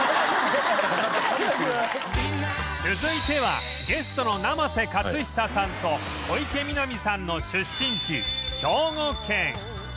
続いてはゲストの生瀬勝久さんと小池美波さんの出身地